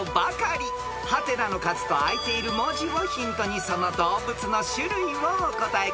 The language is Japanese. ［「？」の数とあいている文字をヒントにその動物の種類をお答えください］